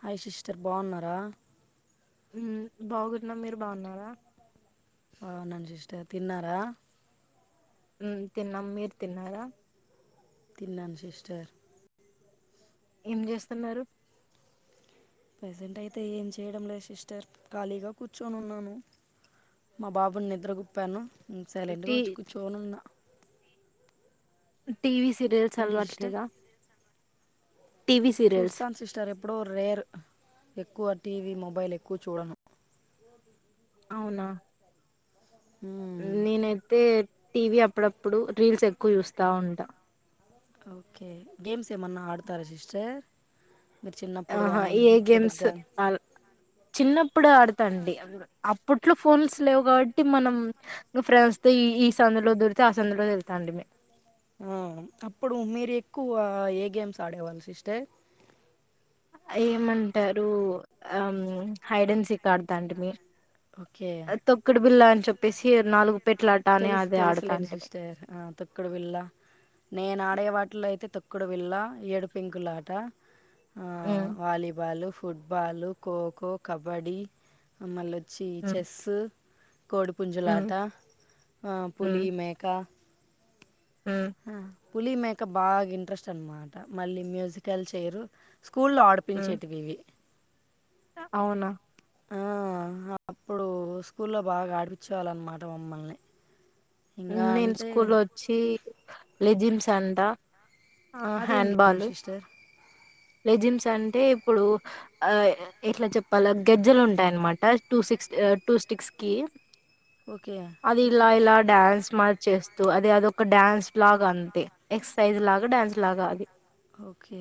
Hi sister బాన్నారా హ్మ్ బాగున్న మీరు బాన్నారా అవునా సిస్టర్ తిన్నారా ఉమ్ తిన్నాం మీరు తిన్నారా తిన్నాన్ సిస్టర్ ఏం చేస్తున్నారు ప్రజెంట్ అయితే ఏం చేయడం లేదు సిస్టర్ ఖాళీగా కూర్చొనున్నాను మా బాబుని నిద్ర గుప్పాను సైలెంట్గా టీ వచ్చి కూర్చోనున్న టీవీ సీరియల్స్ ఏంటి సిస్టర్ అలవట్లేదా టీవీ సీరియల్స్ చూస్తాను. సిస్టర్ ఎప్పుడో రేర్ ఎక్కువ టీవీ మొబైల్ ఎక్కువ, చూడను, అవునా, మ్మ్. నేనైతే, టీవీ అప్పుడప్పుడు, రీల్స్ ఎక్కువ, చూస్తా, ఉంటా, ఓకే, గేమ్స్, ఏమన్నా, ఆడతారా, సిస్టర్, మీరు, చిన్నప్పుడు, ఆహా గానీ ఏ గేమ్స్ ఇప్పటికిగానీ, అల్ చిన్నప్పుడు, ఆడతాండి. అప్పట్లో, ఫోన్స్, లేవు కాబట్టి, మనం, ఫ్రెండ్స్, ఈ, సందులో, దూరితే, ఆ, సందులో, తెళ్తాండి, మీ ఉమ్, అప్పుడు, మీరు, ఎక్కువ, ఏ, గేమ్స్, ఆడేవాళ్ళు, సిస్టర్, ఆ, ఏమంటారు. ఆ, హిడెన్సిక్, అడటంటిమి, మీరు, ఓకే తొక్కుడు, బిల్ల, అని, చెప్పేసి, నాలుగు, పెట్లా, ఆట అని అదే, అడితంటిమి, కుడువిళ్ళ నేను, ఆడే వాటిలో అయితే, తొక్కుడు బిళ్ళ ఏడుపింకులాట, ఆ, హ్మ్ వాలీబాలు, ఫుట్బాలు, ఖోఖో, కబడ్డీ, మళ్ళ వచ్చి, హ్మ్ చెస్సు, హ్మ్ కోడిపుంజులాట, పులి మేక, హు పులి మేక, బాగా, ఇంట్రెస్ట్, అనమాట, మళ్ళీ మ్యూజికల్ చేయిరు, స్కూల్ల్లో, ఆడు హ్మ్ ప్పించేటివి, ఇవి, అవునా, ఆ, అప్పుడు, స్కూల్లో, బాగా, ఆడిపించే, వాళ్ళ, అన్నమాట, మమ్మల్ని, ఇంకా నేను, అంటే స్కూల్లో, వచ్చి, లెజిమ్స్, అంట, అదేం గేమ్ హ్యాండ్బాాలు, సిస్టర్ లెజిమ్స్, అంటే, ఇప్పుడు, ఆ, ఎట్లా, చెప్పాలంటే గెజ్జలు ఉంటాయన్నమాట, టూ సిక్స్ టూ స్టిక్స్ కి ఓకే అది, ఇలా ఇలా డాన్స్ మార్చేస్తూ అది అదిొ ఒక డ్యాన్స్ లాగ అంతే ఎక్సర్సైజ్, లాగా, డ్యాన్స్, లాగా అది ఓకే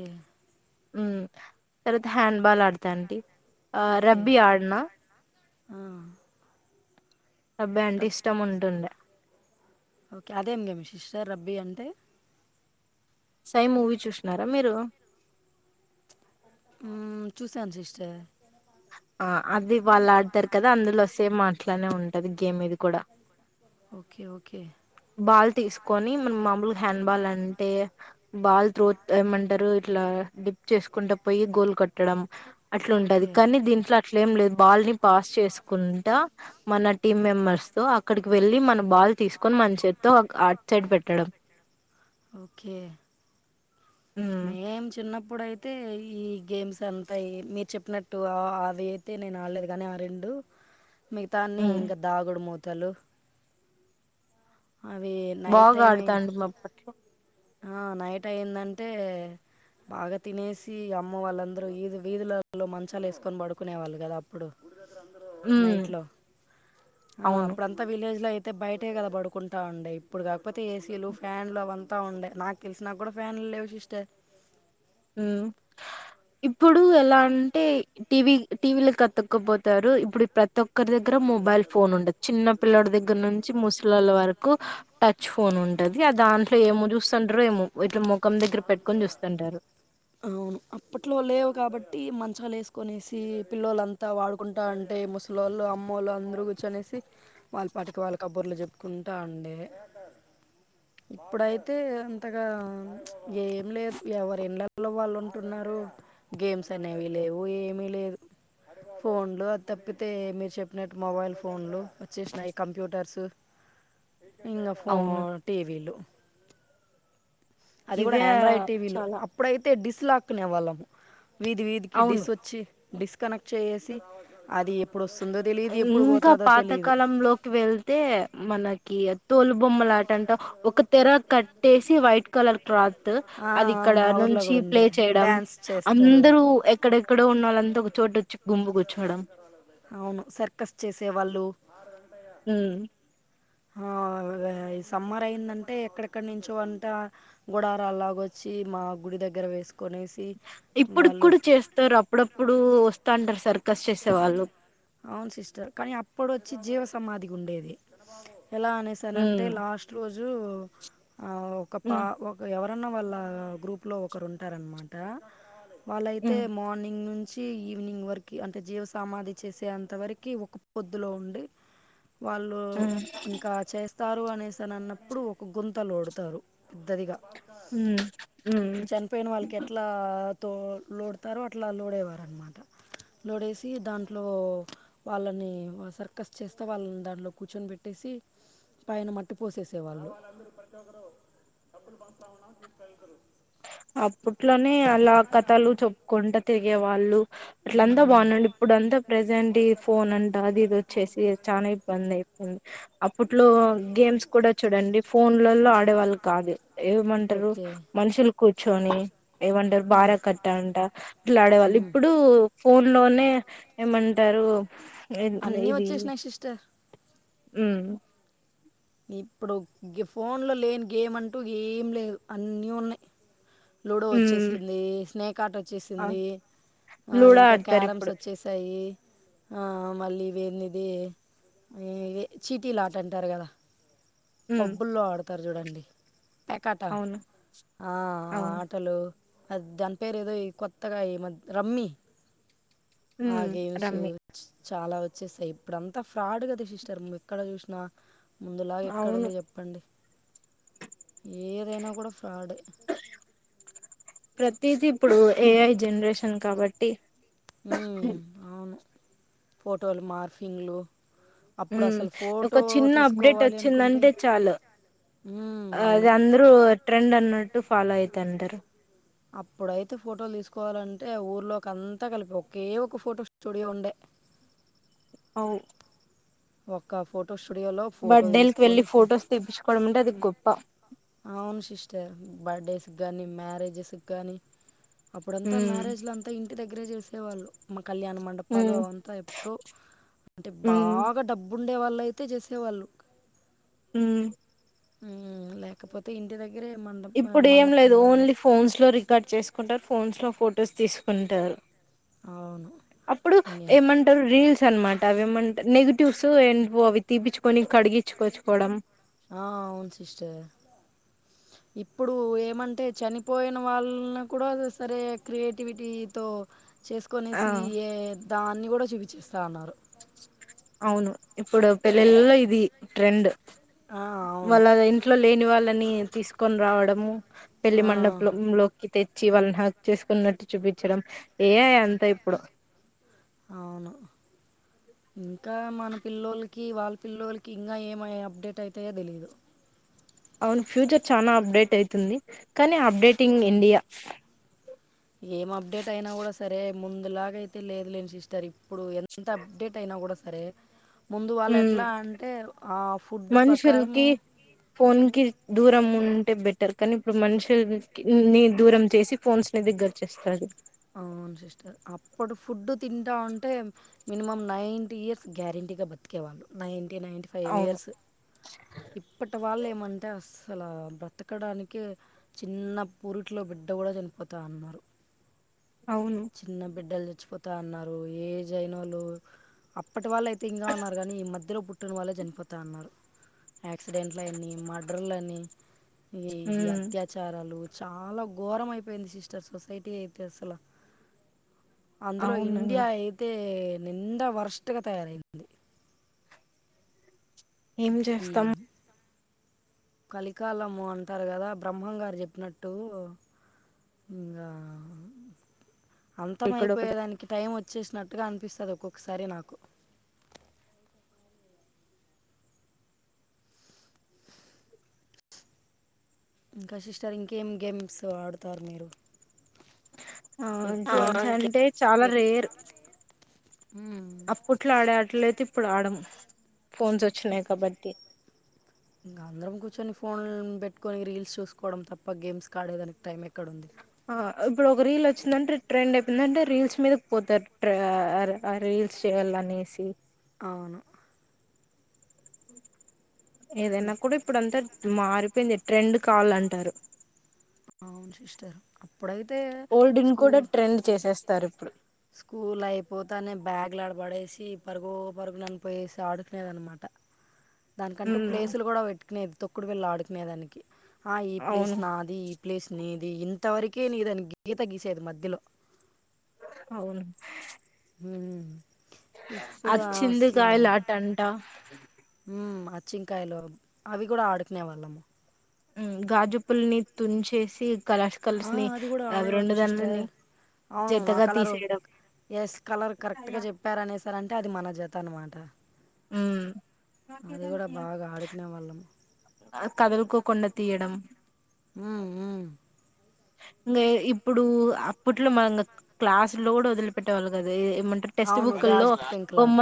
ఉ, తర్వాత, హ్యాండ్ బాల్, ఆడత, అండి ఆ, ఓకే రబ్బీ ఆడాను ఆ, రబ్బీ, అంటే, రబ్ ఇష్టం, ఉంటుండే, ఓకే, అదేం, గేమ్, సిస్టర్, రబ్బీ, అంటే, సై, మూవీ, చూసిన్నారా, మీరు, ఉ, చూశాను. సిస్టర్, ఆ, అది, వాళ్ళు, ఆడతారు, కదా, అందులో, సేమ్, ఆట్లానే ఉంటది. గేమ్, ఇది, కూడా, ఓకే, ఓకే, బాల్, తీసుకొని, మన, మామలుగా, హ్యాండ్ బాల్ అంటే, బాల్, త్రో, ఏమంటరు. ఇట్లా, డిప్, చేసుకుంటా, పోయి, గోల్ కొట్టడం. అట్ల, ఉంటది. ఓకే కానీ, దీంట్లో, అట్లే, ఏం, లేదు, బాల్ ని పాస్, చేసుకుంటా, మన, టీమ్, మెంబెర్స్ తో, అక్కడికి, వెళ్ళి, మన బాల్, తీసుకొని, మన చేతో అటు సైడ్, పెట్టడం. ఓకే, ఉమ్ మేం, చిన్నప్పుడయితే, అయితే, ఈ, గేమ్స్, అంతా, మీరు, చెప్పినట్టు, అవి, అయితే, నేను, ఆడలేదు, గాని ఆ రెండు మిగతా, అన్ని, ఉమ్ ఇంకా, దాగుడు మూతలు, అవేల్ బాగా, ఆడుతాండిమి, అప్పట్లో, ఆ, నైట్, అయిందంటే, బాగా తినేసి అమ్మ వాళ్ళందరూ ఇధు వీధులలో మంచాలు వేసుకొని పడుకునే వాళ్ళు కదా అప్పుడు ఉమ్ నైట్ లో అవును అప్పుడుంత త విలేజ్ లో అయితే బయటే కద పడుకుంటా ఉండే ఇప్పుడు కాకపోతే ఏసీలు ఫ్యాన్లు అవ తా ఉండే నాకు తెలిసి నా కూడా ఫ్యాన్ లెవ్ సిస్టర్ ఉ ఇప్పుడు ఎలా అంటే టీవీ టీవీలో కతుక్కపోతారు ఇప్పుడు ప్రతి ఒక్కరి దగ్గర మొబైల్ ఫోన్ ఉండదు చిన్న పిల్లడి దగ్గర నుంచి ముసలొళ్ళ వారకు కు టచ్ ఫోన్ ఉంటది ఆ దాంట్లో ఏమో చూస్తండరు ఏమో ఇట్ల ముఖం దగ్గర పెట్టుకొని చూస్తుంటారు అవును అప్పట్లో లేవు కాబట్టి మంచాలేసుకనేసి పిల్లలంతా ఆడుకుంటా అంటే ముస లు అమ్మెలు అందరు కూర్చనేసి వాళ్ళపాటికి వాళ్ళ కబుర్లు చెప్పుకుంటా ఉండే ఇప్పుడైతే అంతగా ఏం లేదు ఎవరిల్లళ్లో వాళ్ళు ఉంటున్నారు గేమ్స్ అనేవి లేవు ఏమి లేదు ఫోన్లు అది తప్పితే మీరు చెప్పినట్టు మొబైల్ ఫోన్లు వచ్చేసినాయి కంప్యూటర్స్ ఇంగ ఫ అవును టీవీలు అది కూడా ఇవే ఆండ్రాయిడ్ టీవీలు చాలా అప్పుడైతే డిస్ లాక్నే వాళ్ళము వీధి వీధికి అవును డిస్ వచ్చి డిస్కనెక్ట్ చేేసి అది ఎప్పుడు వస్తుందో తెలిదు ఎప్పుడు ఇంకా పోతుదో తెలిదు పాతకాలంలోకి వెళ్తే మనకి తోలు బొమ్మ లాటంట ఒక తెర కట్టేసి వైట్ కలర్ క్లాత్ ఆ, అది ఇక్కడ మా ఊర్లో నుంచి కూడా ఉండే ప్లే చేయడం డ్యాన్స్ చేస్తారు అందరూ ఇక్కడెక్కడో ఉన్నళ్ంతా ఒక చోటు వచ్చి గుంపు కూర్చోవడం అవును సర్కస్ చేసేవాళ్ళు హ ఆ ఈ సమ్మర్ అయిందంటే ఎక్కడెక్కడ నుంచో అంత గుడారలాగొచ్చి మా గుడి దగ్గర వేసుకనేసి వాళ్ళు సారు అప్పుడప్పుడు వస్తాంటారు సార్ [unintelligible] అవును సిస్టర్ కానీ అప్పుడు వచ్చి జీవ సమాధికి ఉండేది ఎలా అనేసానంటే ఉమ్ లాస్ట్ ప్రతి రోజు ఒక పా ఉమ్ ఒక ఎవరన్నా వాళ్ళ గ్రూప్ లో ఒకరు ఉంటారనమాట వాళ్ళైతే ఉమ్ మార్నింగ్ నుంచి వచ్చి ఈవెనింగ్ వరకు అంటే జీవసమాధి చేసేంత వరకి ఒక పొద్దులో ఉండి వాళ్ళు ఉమ్ ఇంకా చేస్త వస్తారు అనేసిని అన్నప్పుడు ఒక గుంతలోడుతారు పెద్దదిగా ఉమ్ ఉమ్ ఇప్పుడు చనిపోయిన వాళ్ళకి ఎట్లా అట్లా తో లోడతారు అట్లా లోడేవారు అనమాట లోడేసి దాంట్లో వాళ్ళని సర్కస్ చేస్తా వాళ్ళని దాంట్లో కూర్చొని పెట్టేసి పైన మట్టి పోసేసే వాళ్ళు అప్పట్లోనే అలా కథలు చెప్పుకుంటా తిరిగే వాళ్ళు అట్ల అంతా బాగున్నాడి ఇప్పుడు అంతా ప్రజెంట్ ఈ ఫోన్ అంట అది ఇది వచ్చేసి చనా ఇబ్బంది అయిపోంది అప్పట్లో గేమ్స్ కూడా చూడండి ఫోన్లలో ఆడే వాళ్ళు కాదు ఏమంటారు ఓకే మనుషులు కూర్చొని ఏమంటారు బార కట్ట అంట అట్లా ఆడేవాళ్ళు ఇప్పుడు ఫోన్ లోనే ఏమంటారు అన్నీ ఇది వచ్చేసినాయి సిస్టర్ ఉ ఇప్పుడు ఫోన్ లో లేని గేమ్ అంటూ ఏం లేదు అన్నీ ఉన్నాయి లూడో ఉమ్ వచ్చేసింది స్నేకాట్ వచ్చేసింది అ లూడో ఇంకా ఆడతారు క్యారమ్స్ ఇప్పుడు వచ్చేసి వస్తాయి అ మళ్ళీ వేనిది చీటీ ఆట అంటారు గదా ఉమ్ పబ్బుల్లో ఆడతారు చూడండి పేకాట అవును అ అవును ఆటలు అది దాని పేరు ఏదో కొత్తగా ఈ మ రమ్మి ఆ ఉమ్ గేమ్స్ రమ్మి చాలా వచ్చేస్తాయి ఇప్పుడు అంతా ఫ్రాడ్ గదా సిస్టర్ ఎక్కడ చూసిన ముందులా అవును ఇక్కడుంది చెప్పండి ఏదైనా గూడా ఫ్రాడే ప్రతిది ఇప్పుడు ఏఐ జనరేషన్ కాబట్టి ఉ అవును ఫోటోలు మార్ఫింగ్లు ఉ ఒక చిన్న అప్డేట్ తీసుకోవాలి అనుకుంటే వచ్చిందంటే చాలు హ్మ్. అవును. అది అందర్ ఇప్పుడు ట్రెండ్ అన్నట్టు ఫాలో అయితాంటారు అప్పుడైతే ఫోటోలు తీసుకోవాలంటే ఊర్లోకి అంతా కలిపి ఒకే ఒక ఫోటో స్టూడియో ఉండే అవ్ ఒక్క ఫోటో స్టూడియోలో ఫోటో తీసుకొనేసి తీప్పించుకోవడం అంటే అది గొప్ప అవును సిస్టర్ బర్డేస్కి గానీ మ్యారేజెస్ గానీ అప్పుడంతా ఉమ్ మ్యారేజ్ల అంతా ఇంటి దగ్గరే చేసేవాళ్ళు మా కల్యాణ మండపాలు ఉమ్ అవంతా ఎప్పుడో అంటే బాగా డబ్బు ఉండేవాళ్ళు అయితే చేసేవాళ్ళు మ్ మ్ లేకపోతే ఇంటి దగ్గర ఇరే మందం ఇప్పుడు ఏం లేదు ఓన్లీ ఫోన్స్ లో రికార్డ్ చేసుకుంటారు ఫోన్స్ లో ఫొటోస్ తీసుకుంటారు అవును అప్పుడు ఇంకే ఏమం రీల్స్ అనమాట అవి ఏమంటారు నెగిటివ్స్ం నెవో అవి తీపించుకొని కడిగించుకోచ్చుకోవడం ఆ అవును సిస్టర్ ఇప్పుడు ఏమంటే చనిపోయిన వాళ్ళని గూడా సరే క్రియేటివిటీతో ఆ చేసుకునేసి ఏ దాన్ని గూడా చూపించేస్తా అన్నారు అవును ఇప్పుడు పెళ్లిల్లో ఇది ట్రెండ్ ఆ, అవును వాళ్ళ అదే ఇంట్లో లేని వాళ్ళని తీసుకొని రావడ పెళ్లి ఆ, మండపంలో కి తెచ్చి వాళ్ళని హగ్ చేసుకున్నట్టు చూపించడం ఏ ఐ అంతా ఇప్పుడు అవును ఇంకా మన పిల్లోలోకి వాళ్ళ పిల్లలకి ఇంగా ఎం ఐ అప్డేట్ అయితాయో తెలీదు అవును ఫ్యూచర్ చానా అప్డేట్ అయితుంది కానీ అప్పడేటింగ్ ఇండియా ఏం అప్డేట్ అయినా గూడా సరే ముందు లాగ అయితే లేదులే సిస్టర్ ఇప్పుడు ఎంత అప్డేట్ అయినా గూడా సరే ముందు వాళ్ళు ఉమ్ ఎట్లా అంటే ఆ ఫుడ్ ప్రకారము మనుషులకి ఫోన్ కి దూరం ఉంటే బెటర్ కానీ ఇప్పుడు మనుషులు నీ నీ దూరం చేసి ఫోన్స్ నీ దగ్గర చేస్తాది అవును సిస్టర్ అప్పుడు ఫుడ్డు తింటావుంటే మినిమమ్ నైన్టీ ఇయర్స్ గ్యారెంటీ బతికేవాళ్ళు నైంటీ నైన్ంటీ ఫైవ్ అవును ఇయర్స్ ఇప్పటి వాళ్ళు ఏమంటే అసల బ్రతకడానికె చిన్న పూరిట్లో బిడ్డ గూడా చనిపోతా ఉన్నారు అవును చిన్న బిడ్డల్ చచ్చిపోతాన్నారు ఏజ్ అయినోళ్లు అప్పటి వాళ్ళు అయితే ఇంగా ఉన్నారు గానీ ఈ మధ్యలో పుట్టిన వాళ్ళే చన్పోతా ఉన్నారు యాక్సిడెంట్లని మర్డర్లని ఇ ఇవి ఉమ్ అత్యాచ ప్రచారాలు చాలా గోరం అయిపోయింది సిస్టర్ సొసైటీ అయితే అసలు అందులో అవును ఇండియా అయితే నిండ వరస్ట్ గా తయారయింది ఏం చేస్తాం తీమ్ కలికాలము అంటార్ గదా బ్రహ్మంగారు చెప్పినట్టు ఇంగ ఇక్కడ ఒక అంతమయిపోయేదానికి టైం వచ్చేసినట్టుగా అనిపిస్తది ఒక్కొక్కసారి నాకు ఇంకా సిస్టర్ ఇంకేం గేమ్స్ ఆడుతారు మీరు ఆ ఎక్కువ గేమ్స్ అంటే చాలా ఎక్ రేర్ అప్పుడ్ అట్లా ఆడే అట్లయితే ఇప్పుడు ఆడం ఫోన్స్ వచ్చినయ్ కాబట్టి ఇంగ అందరం కూర్చొని ఫోన్ పెట్టుకొని రీల్స్ చూసుకోవడం తప్ప గేమ్స్ కాడేదానికి టైం ఎక్కడుంది హ ఇప్పుడు ఒక రీల్ వచ్చిందంటే ట్రెండ్ అయిపోయిందంటే రీల్స్ మీదక్ పోతార్ ట్ర హర ఆ రీల్స్ చేయాలనేసి అవును ఏదైనా కూడా ఇపుడు అంత మారిపోయింది ట్రెండ్ కావాలంటారు అవున్ సిస్టర్ అప్పుడైతే ఓల్డ్ ను కూడా స్కూల్ ట్రెండ్ చేసెస్తారిప్పుడు స్కూల్ అయిపోతానే బ్యాగు్లు ఆడబడేసి పరుగొ పరుగునన్ పోయేసి ఆడుకునేదాన్మాట దాన్కంటూ ఉమ్ ప్లేసులు కూడా పెట్టుకునేది తొక్కుడు బిళ్ళ ఆడుకునే దానికి ఆ ఈ ప్లేస్ అవును నాది ఈ ప్లేస్ నీది ఇంత వర్కే నీదని గీత గీసేది మధ్యలో అవును హ్మ్ ఇప్పుడు అచ్చింది కాయ్లాటంట ఊమ్ ఆచ్చింకాయ్లు అవి కూడా ఆడ్కునే వాళ్ళమ్ హ్మ్ గాజుపుల్ని తుంచేసి కలర్స్ ఆ! కలర్స్ ని అవి రెండుదాన్లని అవ్ను ఆ కలరు ఎస్ కలర్ కరెక్ట్ గా చెప్ పేర అనేసారంటే అది మన జత అన్మాట బాగా ఆడుకునేవాళ్ళము. ఊమ్ కదుల్కోకుండా తీయడం ఉమ్ ఊమ్ ఇంగ ఇప్పుడు అప్పట్లో మనం ఇంగ క్లాస్ లో కూడా ఓదిలిపెట్టే వాళ్ళు గాదు ఏమంటర్ టెక్స్ట్ అవును. బుక్కుల్లో గాజు పెంకులాట. బొమ్మ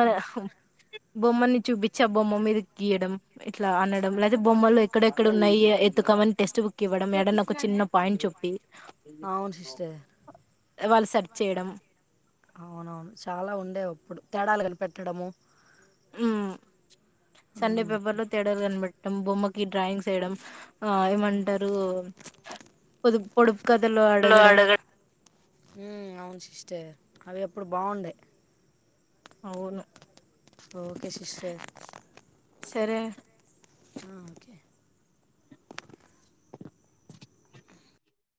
బొమ్మని చూపించి ఆ బొమ్మ మీద గీయడం ఇట్లా అనడం లై బొమ్మలు ఎక్కడెక్కడున్నయ్ఎ ఎత్కమని టెస్ట్ బుక్ ఇవ్వడం ఏడన్నా ఒక చిన్న పాయింట్ చూప్పి అవును సిస్టర్. వాళ్ సర్చ్ చేయ్డం అవునవును చాలా ఉండేవప్పుడు తేడాలు కనిపెట్టడం ఉమ్ సండే హ్మ్. పేపర్ లో తేడాల్ కన్పె బొమ్మకి డ్రాయింగ్స్ ఎయడం ఆ ఏమంటరు పొడుప్ పొడుపు కథలు అడగడం ఊమ్ అవ్ను సిస్టర్ అవి అప్పుడ్ బాగుండే అవ్ను ఓకే సిస్టర్ సరే ఆ ఓకే